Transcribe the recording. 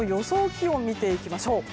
気温を見ていきましょう。